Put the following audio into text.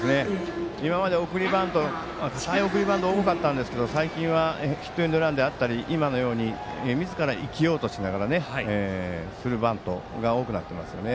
今までは送りバントが多かったんですけど最近はヒットエンドランだったりみずから生きようとするバントが多くなっていますよね。